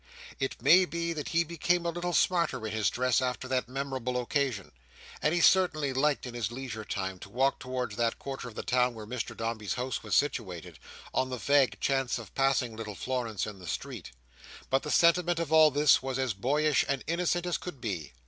It may be that he became a little smarter in his dress after that memorable occasion; and he certainly liked in his leisure time to walk towards that quarter of the town where Mr Dombey's house was situated, on the vague chance of passing little Florence in the street. But the sentiment of all this was as boyish and innocent as could be.